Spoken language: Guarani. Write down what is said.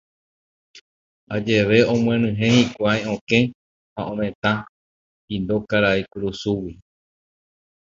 Ajeve omyenyhẽ hikuái okẽ ha ovetã pindo karai kurusúgui.